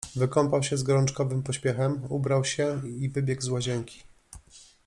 Wykąpał się z gorączkowym pośpiechem, ubrał się i wybiegł z łazienki.